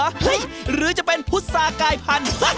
หรือจะเป็นพุษากายพันธุ์